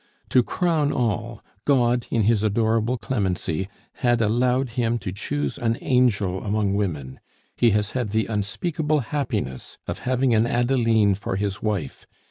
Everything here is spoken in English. "To crown all, God, in His adorable clemency, had allowed him to choose an angel among women; he has had the unspeakable happiness of having an Adeline for his wife!